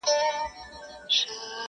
نن مي خیال خمار خمار لکه خیام دی.